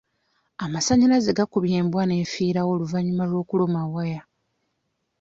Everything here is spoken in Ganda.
Amasannyalaze gakubye embwa n'efiirawo oluvannyuma lw'okuluma waya.